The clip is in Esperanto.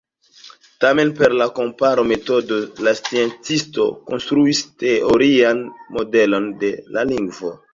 Tamen, per la kompara metodo la sciencistoj konstruis teorian modelon de la lingvo.